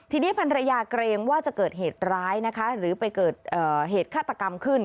ทีนี้พันรยาเกรงว่าจะเกิดเหตุร้ายนะคะหรือไปเกิดเหตุฆาตกรรมขึ้น